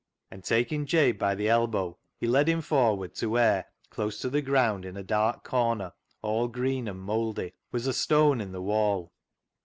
And, taking Jabe by the elbow, he led him forward to where, close to the ground, in a dark corner all green and mouldy, was a stone in the wall.